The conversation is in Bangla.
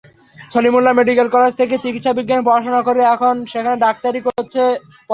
সলিমুল্লাহ মেডিকেল কলেজ থেকে চিকিৎসাবিজ্ঞানে পড়াশোনা করে এখন এখানে ডাক্তারি করছে।